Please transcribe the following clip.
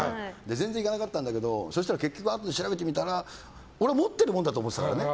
全然行かなかったんだけどあとで調べてみたら俺、持ってるもんだと思ってたからね。